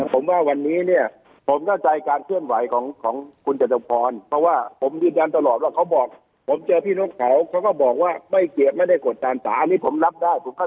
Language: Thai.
เพราะฉะนั้นคือคือเรื่องที่มันผันผมไม่อยากไปย้อนเดี๋ยวจะพูดกันยาว